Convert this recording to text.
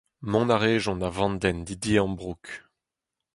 Mont a rejont a-vandenn d'he diambroug.